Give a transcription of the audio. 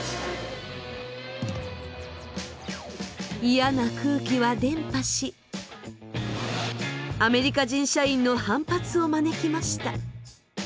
嫌な空気は伝播しアメリカ人社員の反発を招きました。